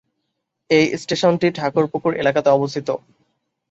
এই স্টেশনটি ঠাকুরপুকুর এলাকাতে অবস্থিত।